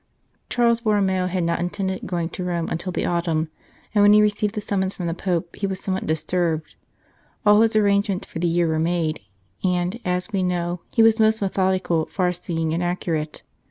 Charles Borromeo had not intended going to Rome until the autumn, and when he received the summons from the Pope he was somewhat dis turbed. All his arrangements for the year were made, and, as we know, he was most methodical, far seeing, and accurate.